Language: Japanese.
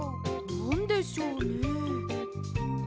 なんでしょうね？